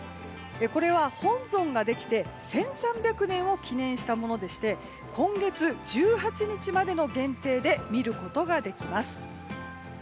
これは、本尊ができて１３００年を記念したものでして今月１８日までの限定で見ることができます。